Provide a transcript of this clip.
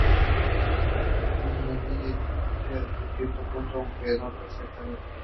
Esto concuerda con la evidencia existente, hasta cierto punto, aunque no perfectamente.